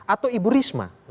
atau ibu risma